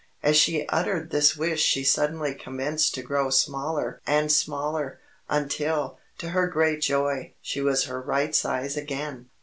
As she uttered this wish she suddenly commenced to grow smaller and smaller, until, to her great joy, she was her right size again.